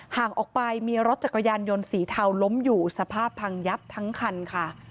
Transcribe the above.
ห่างออกไปมีรถจักรยานยนต์สีเทาล้มอยู่สภาพพังยับทั้งคันค่ะ